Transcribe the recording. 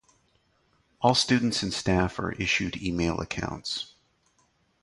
All students and staff are issued email accounts.